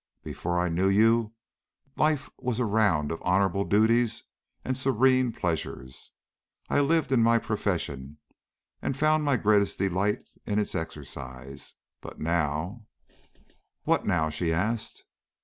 Before I knew you, life was a round of honorable duties and serene pleasures. I lived in my profession, and found my greatest delight in its exercise. But now " "What now?" she asked.